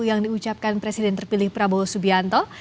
yang diucapkan presiden terpilih prabowo subianto